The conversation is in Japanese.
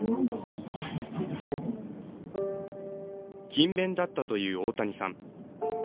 勤勉だったという大谷さん。